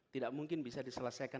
tidak mungkin bisa diselesaikan